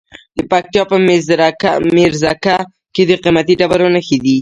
د پکتیا په میرزکه کې د قیمتي ډبرو نښې دي.